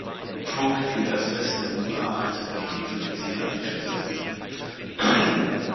Brooke gilt als beste Nummer Acht, die je für Neuseeland gespielt hat.